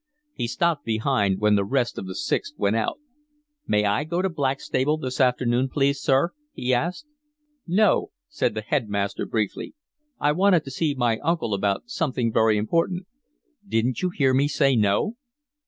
He stopped behind when the rest of the Sixth went out. "May I go to Blackstable this afternoon, please, sir?" he asked. "No," said the headmaster briefly. "I wanted to see my uncle about something very important." "Didn't you hear me say no?"